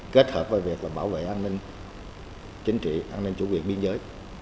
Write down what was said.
kết hợp với việc bảo vệ an ninh chính trị an ninh chủ quyền biên giới